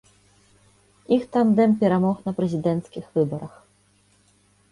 Іх тандэм перамог на прэзідэнцкіх выбарах.